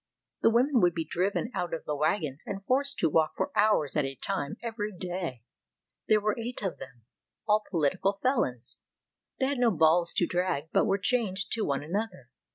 The women i8s RUSSIA would be driven out of the wagons and forced to walk for hours at a time every day. There were eight of them, all political felons. They had no balls to drag, but were chained to one another.